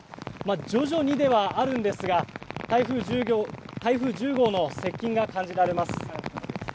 徐々にではあるんですが台風１０号接近が感じられます。